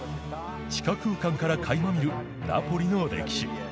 地下空間からかいま見るナポリの歴史。